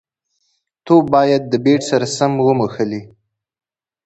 توپ باید د بېټ سره سم وموښلي.